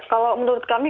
kalau menurut kami